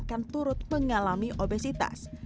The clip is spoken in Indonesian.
dan turut mengalami obesitas